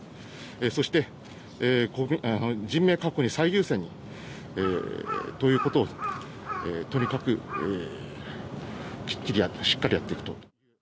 そして、人命確保に最優先にということを、とにかくしっかりやっていくと。